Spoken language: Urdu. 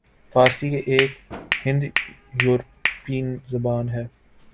فارسی ایک ہند یورپی زبان ہے